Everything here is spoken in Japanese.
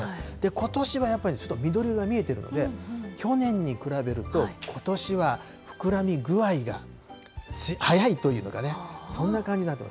ことしはやっぱりちょっと緑色が見えてるんで、去年に比べると、ことしは膨らみ具合が早いというかね、そんな感じになってる。